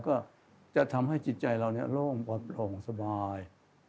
ก็จะทำให้ทรีย์ใจเรานี่โล่งปลอดภัณฑ์สบาย